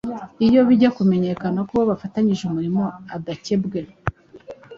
Iyo bijya kumenyekana ko uwo bafatanyije umurimo adakebwe,